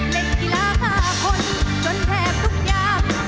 เล่นกีฬา๕คนจนแทบทุกอย่าง